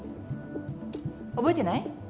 覚えてない？